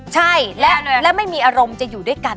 ใช่และไม่มีอารมณ์จะอยู่ด้วยกัน